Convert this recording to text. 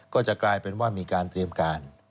ก็จะกลายเป็นว่ามีการเตรียมการ